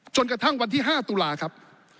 จนกระทั่งวันที่๕ตุลาครับ